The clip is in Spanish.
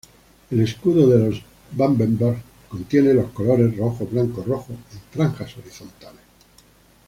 El escudo de los Babenberg contiene los colores rojo-blanco-rojo en franjas horizontales.